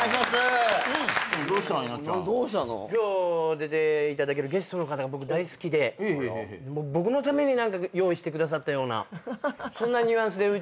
今日出ていただけるゲストの方が僕大好きで僕のために用意してくださったような。